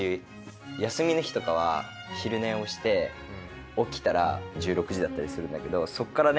休みの日とかは昼寝をして起きたら１６時だったりするんだけどそこからね